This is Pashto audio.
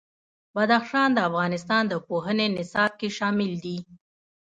بدخشان د افغانستان د پوهنې نصاب کې شامل دي.